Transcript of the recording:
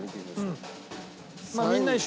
うん。